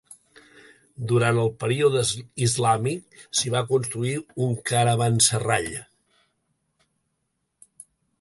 Durant el període islàmic, s'hi va construir un caravanserrall.